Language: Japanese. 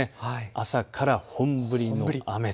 朝から本降りの雨。